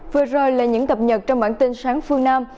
vừa rồi là những cập nhật trong bản tin sáng phương nam